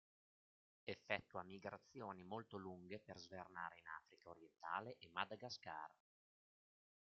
Effettua migrazioni molto lunghe per svernare in Africa orientale e Madagascar.